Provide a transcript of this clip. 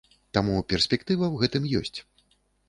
Таму перспектыва ў гэтым ёсць.